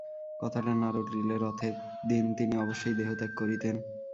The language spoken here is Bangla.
কথাটা না রটিলে রথের দিন তিনি অবশ্যই দেহত্যাগ করিতেন।